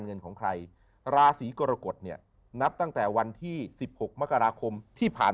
เงินของใครราศีกรกฎเนี่ยนับตั้งแต่วันที่๑๖มกราคมที่ผ่าน